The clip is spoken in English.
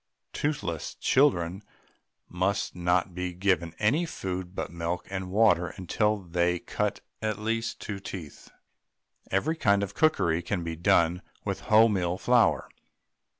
Toothless children must not be given any food but milk and water until they cut at least two teeth. Every kind of cookery can be done with wholemeal flour.